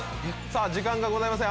時間がございません。